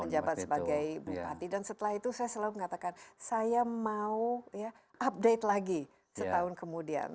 menjabat sebagai bupati dan setelah itu saya selalu mengatakan saya mau update lagi setahun kemudian